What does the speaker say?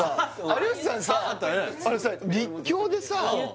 あれさ陸橋でさ